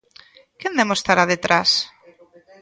¿Quen demo estará detrás?